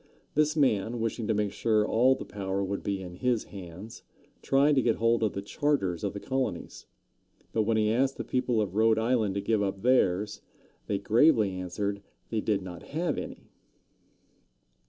This man, wishing to make sure all the power would be in his hands, tried to get hold of the charters of the colonies. But when he asked the people of Rhode Island to give up theirs, they gravely answered they did not have any.